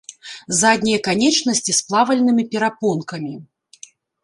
Заднія канечнасці з плавальнымі перапонкамі.